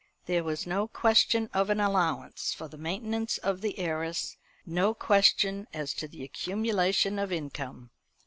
There was no question of an allowance for the maintenance of the heiress, no question as to the accumulation of income.